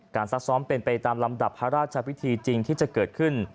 ซักซ้อมเป็นไปตามลำดับพระราชพิธีจริงที่จะเกิดขึ้น